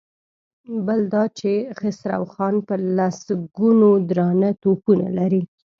بل دا چې خسرو خان په لسګونو درانه توپونه لري.